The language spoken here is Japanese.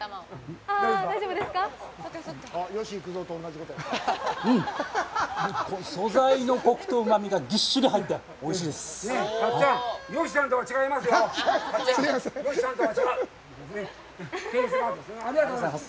うん、素材のコクとうまみがぎっしり入っておいしいです。